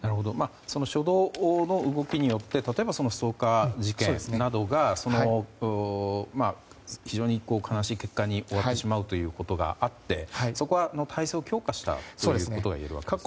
初動の動きによって例えばストーカー事件などが非常に悲しい結果に終わってしまうことがあってそこは対策を強化したわけですね。